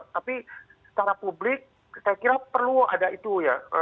tapi secara publik saya kira perlu ada itu ya